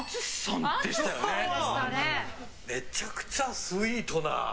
めちゃくちゃスイートな。